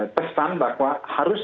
pesan bahwa harus